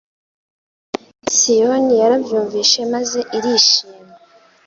Siyoni yarabyumvise maze irishima